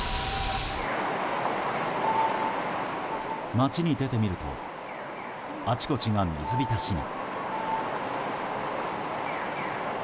街に出てみるとあちこちが水浸しに。